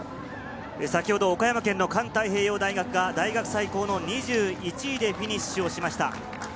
岡山の環太平洋大学が大学最高の２１位でフィニッシュしました。